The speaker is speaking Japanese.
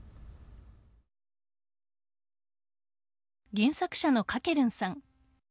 原作者のかけるんさん。